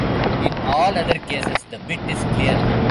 In all other cases, the bit is clear.